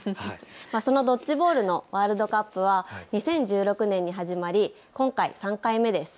そのドッジボールのワールドカップは２０１６年に始まり、今回３回目です。